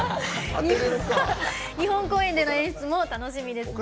日本公演での演出も楽しみですね。